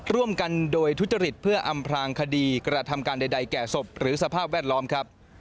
ร่วมกันโดยทุจริตเพื่ออำพลางคดีกระทำการใดแก่ศพหรือสภาพแวดล้อมครับ